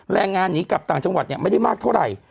แรงงานหนีกลับต่างจังหวัดไม่ได้มากเท่าไหร่